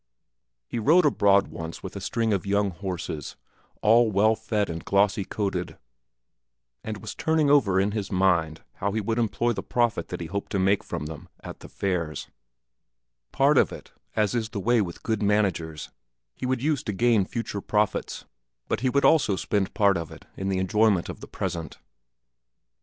He rode abroad once with a string of young horses, all well fed and glossy coated, and was turning over in his mind how he would employ the profit that he hoped to make from them at the fairs; part of it, as is the way with good managers, he would use to gain future profits, but he would also spend part of it in the enjoyment of the present.